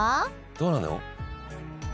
どうなの？